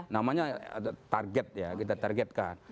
namanya target ya kita targetkan